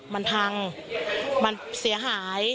มันพังมันเสียหาย